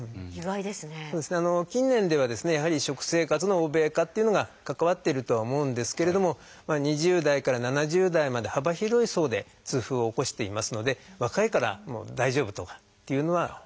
近年ではですねやはり食生活の欧米化っていうのが関わってるとは思うんですけれども２０代から７０代まで幅広い層で痛風を起こしていますので若いから大丈夫とかっていうのは。